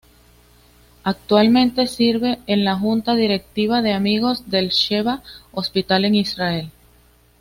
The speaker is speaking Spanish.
Actualmente sirve en la Junta Directiva de Amigos del Sheba Hospital en Israel.